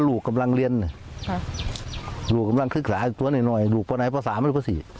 ลูกกำลังคึกสาอาจจะตัวหน่อยลูกป่าวไหนป่าวสามหรือป่าวสี่